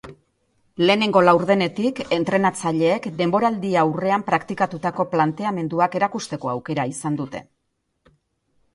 Lehenengo laurdenetik entrenatzaileek deboraldi-aurrean praktikatutako planteamenduak erakusteko aukera izan dute.